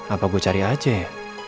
apa gue cari aja ya